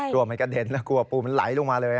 กลัวมันกระเด็นแล้วกลัวปูมันไหลลงมาเลย